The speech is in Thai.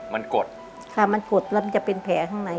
มันกดค่ะมันกดแล้วมันจะเป็นแผลข้างใน